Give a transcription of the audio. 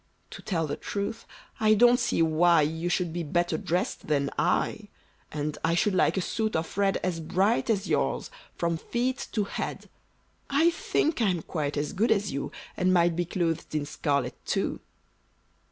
"To tell the truth, I don't see why You should be better dressed than I. And I should like a suit of red As bright as yours, from feet to head. I think I'm quite as good as you, And might be clothed in scarlet too."